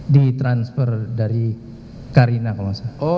ditransfer dari karina kalau nggak salah